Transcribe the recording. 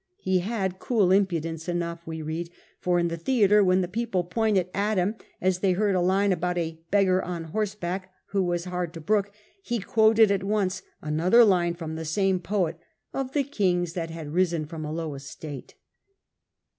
He had cool impudence enough, we read; for in the theatre, when the people pointed at him as they heard a line about a 'beggar on horseback' who was hard to brook, he quoted at once another line from the same poet of the ' kings that had risen from a low estate.